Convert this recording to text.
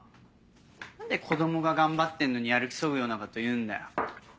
何で子供が頑張ってんのにやる気そぐようなこと言うんだよ。